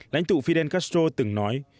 lãnh thụ fidel castro từng nói